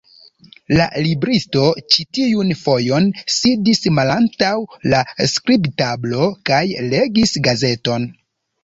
La libristo ĉi tiun fojon sidis malantaŭ la skribtablo kaj legis gazeton.